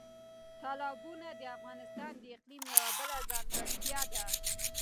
تالابونه د افغانستان د اقلیم یوه بله ځانګړتیا ده.